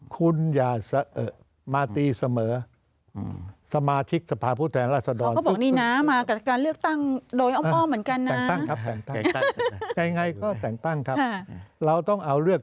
คุณยาสมอเมอสมาธิกษ์สภาพธรรมพยาแทนราซดร